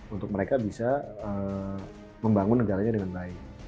untuk mereka bisa membangun negaranya dengan baik